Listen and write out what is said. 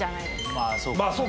まあそうか。